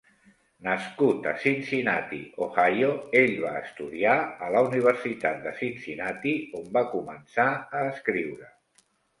Nascut a Cincinnati, Ohio, ell va estudiar a la Universitat de Cincinnati, on va començar a escriure.